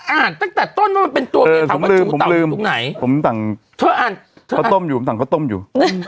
อ่านตั้งแต่ต้นเลยตัวไม่ท้องให้ต้องอยู่